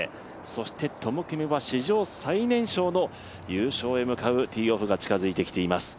そしてトム・キムは史上最年少の優勝へ向かうティーオフが近づいてきています。